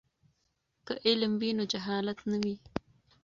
که علم وي نو جهالت نه وي.